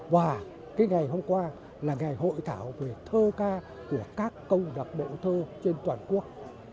và cái ngày hôm qua là ngày hội thảo về thơ ca của các câu lạc bộ thơ trên toàn quốc